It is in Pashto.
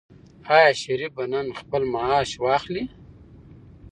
آیا شریف به نن خپل معاش واخلي؟